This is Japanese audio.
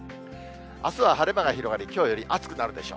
あすは晴れ間が広がり、きょうより暑くなるでしょう。